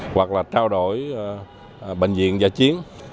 hoặc là trao đổi bệnh viện giả chiến